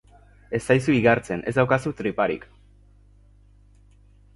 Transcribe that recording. Ez zaizu igartzen, ez daukazu triparik!